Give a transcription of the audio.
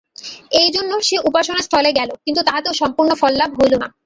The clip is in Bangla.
এইজন্য সে উপাসনাস্থলে গেল, কিন্তু তাহাতেও সম্পূর্ণ ফললাভ হইল না।